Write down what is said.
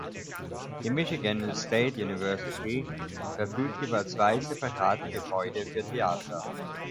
Die Michigan State University verfügt über zwei separate Gebäude für Theater.